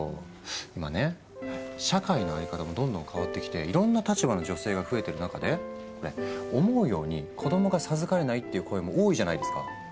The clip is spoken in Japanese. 今ね社会の在り方もどんどん変わってきていろんな立場の女性が増えてる中で思うように子どもが授かれないっていう声も多いじゃないですか。